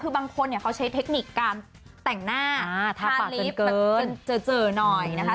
คือบางคนเนี้ยเขาใช้เทคนิคการแต่งหน้าอ่าทาปากเกินเกินเจอเจอหน่อยนะคะ